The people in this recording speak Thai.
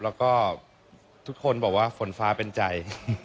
แล้วก็ทุกคนบอกว่าฝนฟ้าเป็นใจ